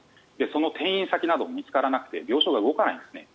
その転院先なども見つからなくて病床が動かないんですね。